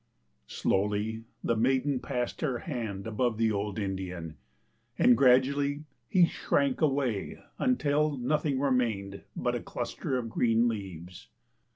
Slowly the maiden passed her hand above the old indian and gradually he shrank away until nothing remained but a cluster of green leaves.